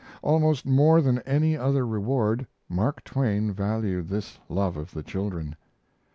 Almost more than any other reward, Mark Twain valued this love of the children.